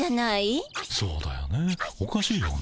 そうだよねおかしいよね。